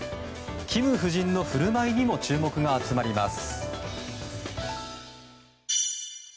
キム夫人の振る舞いにも注目が集まります。